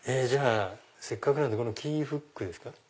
じゃあせっかくなんでキーフックですか。